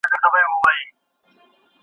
کله چي ارزیابي بشپړه سي نو لیکل پیل کړئ.